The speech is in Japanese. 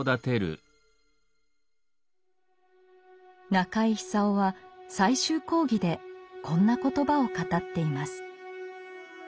中井久夫は「最終講義」でこんな言葉を語っています。